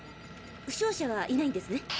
負傷者はいないんですね？